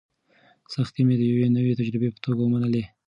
سختۍ مې د یوې نوې تجربې په توګه ومنلې.